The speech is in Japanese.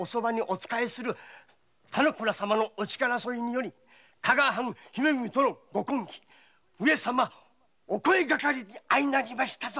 田之倉様のお力添えで加賀藩姫君との御婚儀“上様お声掛かり”と相なりましたぞ。